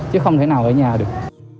chứ không thể nào ở nhà được